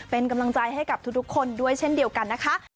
เป็นกำลังใจให้กับทุกคนด้วยเช่นเดียวกันนะคะ